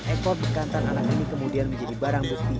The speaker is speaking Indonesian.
ekor bekantan anak ini kemudian menjadi barang bukti